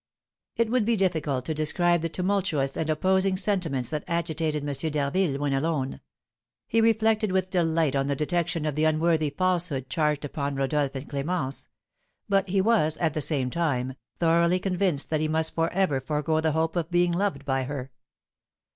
It would be difficult to describe the tumultuous and opposing sentiments that agitated M. d'Harville when alone. He reflected with delight on the detection of the unworthy falsehood charged upon Rodolph and Clémence; but he was, at the same time, thoroughly convinced that he must for ever forego the hope of being loved by her.